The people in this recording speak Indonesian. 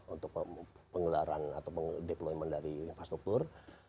untuk pengelaran atau deployment dari infrastruktur